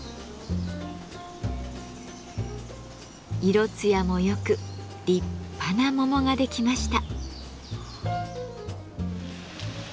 色つやもよく立派な桃ができました。